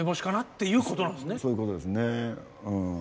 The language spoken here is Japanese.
そういうことですねうん。